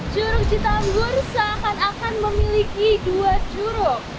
curug citanggur seakan akan memiliki dua curug